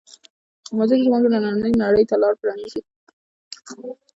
موزیک زمونږ دنننۍ نړۍ ته لاره پرانیزي.